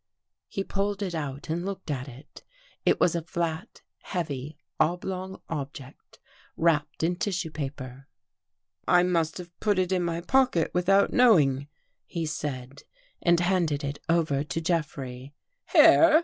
" He pulled it out and looked at it. It was a flat, heavy, oblong object wrapped in tissue paper. " I must have put it in my pocket without know ing," he said, and handed it over to Jeffrey. "Here!"